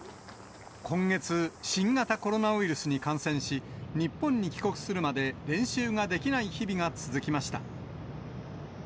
今月、新型コロナウイルスに感染し、日本に帰国するまで練習ができない日々が続きました。